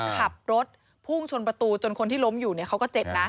ขับรถพุ่งชนประตูจนคนที่ล้มอยู่เนี่ยเขาก็เจ็บนะ